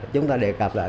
chúng ta đề cập lại